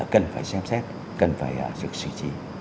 cần phải xem xét cần phải dựng sử trí